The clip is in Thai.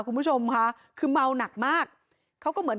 คุณผู้ชมค่ะคือเมาหนักมากเขาก็เหมือน